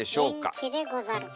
元気でござる。